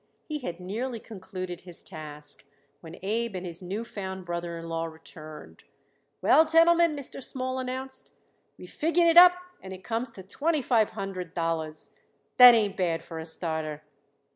He had nearly concluded his task when Abe and his new found brother in law returned. "Well, gentlemen," Mr. Small announced, "we figured it up and it comes to twenty five hundred dollars. That ain't bad for a starter."